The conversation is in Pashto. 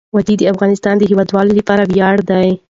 وادي د افغانستان د هیوادوالو لپاره ویاړ دی.